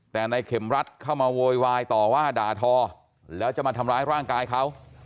แต่นายเข็มรัฐเข้ามาโวยวายต่อว่าด่าทอแล้วจะมาทำร้ายร่างกายเขา